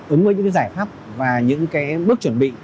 ứng với những giải pháp và những bước chuẩn bị